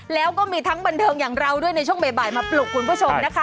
แล้วก็มีทั้งบันเทิงอย่างเราด้วยในช่วงบ่ายมาปลุกคุณผู้ชมนะคะ